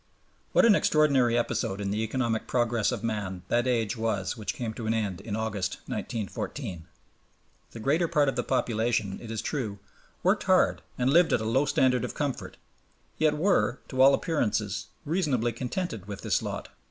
What an extraordinary episode in the economic progress of man that age was which came to an end in August, 1914! The greater part of the population, it is true, worked hard and lived at a low standard of comfort, yet were, to all appearances, reasonably contented with this lot.